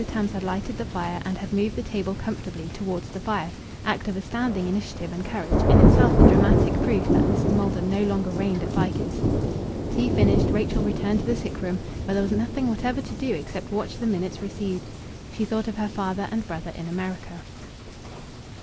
Tams had lighted the fire, and had moved the table comfortably towards the fire act of astounding initiative and courage, in itself a dramatic proof that Mrs. Maldon no longer reigned at Bycars. Tea finished, Rachel returned to the sick room, where there was nothing whatever to do except watch the minutes recede. She thought of her father and brother in America.